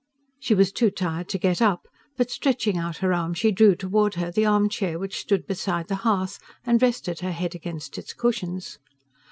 She was too tired to get up, but stretching out her arm she drew toward her the arm chair which stood beside the hearth and rested her head against its cushions.